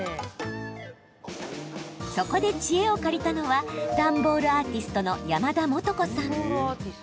そこで知恵を借りたのは段ボールアーティストの山田素子さん。